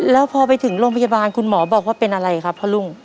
แล้วพอไปถึงโรงพยาบาลคุณหมอบอกว่าเป็นอะไรครับพ่อลุง